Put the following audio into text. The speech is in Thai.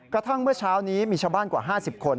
กระทั่งเมื่อเช้านี้มีชาวบ้านกว่า๕๐คน